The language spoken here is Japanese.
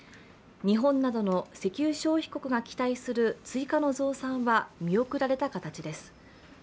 日本などの石油消費国が期待する追加の増産は見送られた形です。